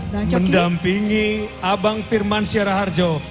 mendampingi abang firman syahra harjo